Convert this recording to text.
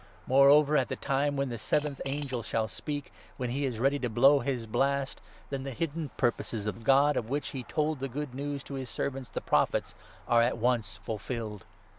Moreover at the time when the seventh angel shall speak, when he is ready to blow his blast, then the hidden purposes of God, of which he told the good news to his servants, the Prophets, are at once fulfilled.